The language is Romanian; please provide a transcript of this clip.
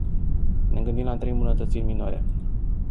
Ne gândim la trei îmbunătățiri minore.